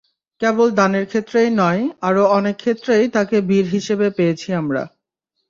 কেবল দানের ক্ষেত্রেই নয়, আরও অনেক ক্ষেত্রেই তাঁকে বীর হিসেবে পেয়েছি আমরা।